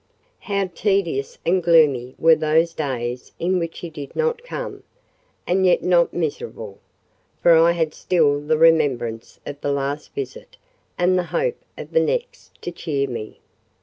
How tedious and gloomy were those days in which he did not come! And yet not miserable; for I had still the remembrance of the last visit and the hope of the next to cheer me.